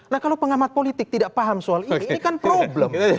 nah kalau pengamat politik tidak paham soal ini ini kan problem